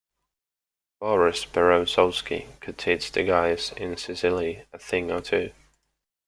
Boris Berezovsky could teach the guys in Sicily a thing or two.